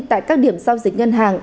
tại các điểm giao dịch ngân hàng